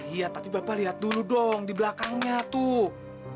iya tapi bapak lihat dulu dong di belakangnya tuh